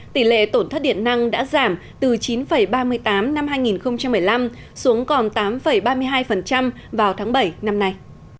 tỷ lệ tổn thất điện năng đã giảm từ chín ba mươi tám năm hai nghìn một mươi năm xuống còn tám ba mươi hai vào tháng bảy năm nay